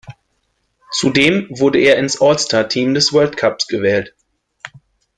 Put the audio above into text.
Zudem wurde er ins All-Star-Team des World Cups gewählt.